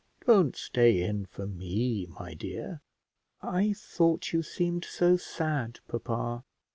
don't stay in for me, my dear." "I thought you seemed so sad, papa."